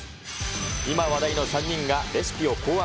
今話題の３人がレシピを考案。